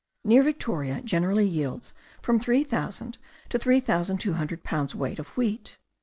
near Victoria generally yields from three thousand to three thousand two hundred pounds weight of wheat.